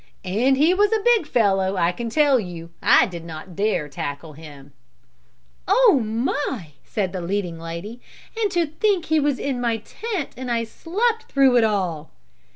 "And he was a big fellow I can tell you. I did not dare tackle him." "Oh my!" said the leading lady, "and to think he was in my tent and I slept through it all."